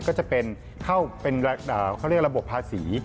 ก็จะเข้าเป็นระบบภาษี